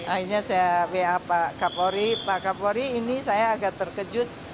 akhirnya saya wa pak kapolri pak kapolri ini saya agak terkejut